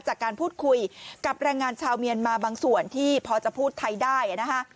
จากการพูดคุยกับแรงงานชาวเมียนมาบางส่วนที่พอจะพูดไทยได้นะคะ